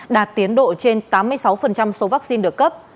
đạt tiến độ trên tám mươi sáu số vaccine được cấp